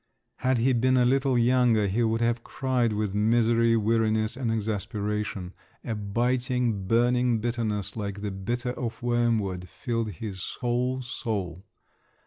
Had he been a little younger, he would have cried with misery, weariness, and exasperation: a biting, burning bitterness, like the bitter of wormwood, filled his whole soul.